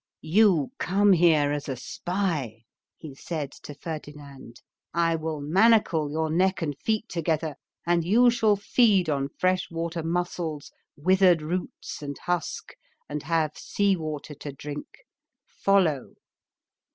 "You come here as a spy," he said to Ferdinand. "I will manacle your neck and feet together, and you shall feed on fresh water mussels, withered roots and husk, and have sea water to drink. Follow."